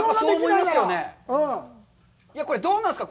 これ、どうなんですか。